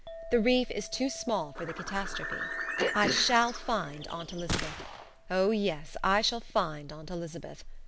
The reef is too small for the catastrophe. I shall find Aunt Elizabeth. Oh yes, I shall find Aunt Elizabeth!